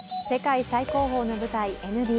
世界最高峰の舞台、ＮＢＡ。